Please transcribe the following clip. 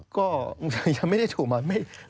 ก็ยังไม่ได้ถูกมา